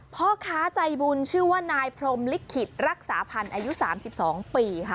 พ่อค้าใจบุญชื่อว่านายพรมลิขิตรักษาพันธ์อายุ๓๒ปีค่ะ